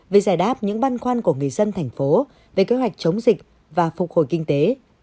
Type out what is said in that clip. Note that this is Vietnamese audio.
về giải đáp những băn khoăn của người dân thành phố về kế hoạch chống dịch và phục hồi kinh tế